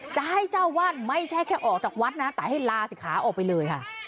จะให้เจ้าวาดไม่ใช่แค่ออกจากวัดนะแต่ให้ลาศิกขาออกไปเลยค่ะ